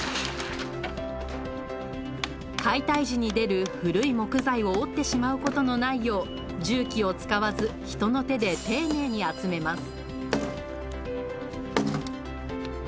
解体時に出る古い木材を折ってしまうことのないよう重機を使わず人の手で丁寧に集めます